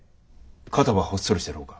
肩はほっそりしてる方か？